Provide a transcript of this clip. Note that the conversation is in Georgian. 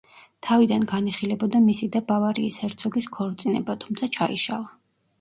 თავიდან განიხილებოდა მისი და ბავარიის ჰერცოგის ქორწინება, თუმცა ჩაიშალა.